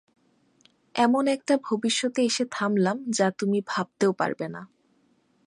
এমন একটা ভবিষ্যতে এসে থামলাম, যা তুমি ভাবতেও পারবে না।